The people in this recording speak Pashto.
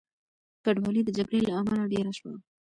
کډوالۍ د جګړې له امله ډېره شوه.